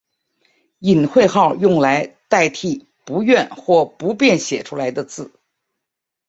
隐讳号用来代替不愿或不便写出来的字。